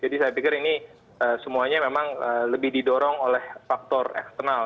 jadi saya pikir ini semuanya memang lebih didorong oleh faktor eksternal